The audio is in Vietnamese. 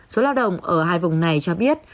số lao động ở hai vùng này cho biết